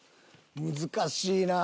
難しいなあ。